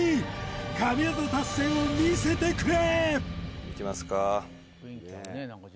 神業達成を見せてくれ！